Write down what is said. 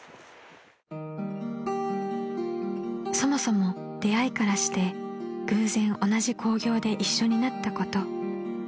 ［そもそも出会いからして偶然同じ興行で一緒になったこと］